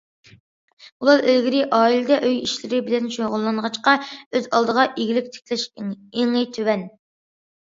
ئۇلار ئىلگىرى ئائىلىدە ئۆي ئىشلىرى بىلەن شۇغۇللانغاچقا، ئۆز ئالدىغا ئىگىلىك تىكلەش ئېڭى تۆۋەن.